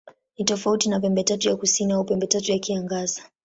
Ni tofauti na Pembetatu ya Kusini au Pembetatu ya Kiangazi.